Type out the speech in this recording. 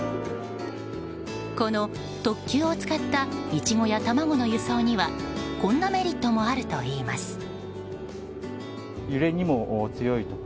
この特急を使ったイチゴや卵の輸送にはこんなメリットもあるといいます。